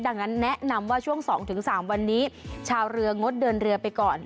ดังนั้นแนะนำว่าช่วง๒๓วันนี้ชาวเรืองดเดินเรือไปก่อน